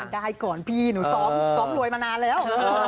ได้ก่อนพี่หนูซ้อมรวยมานานแล้ว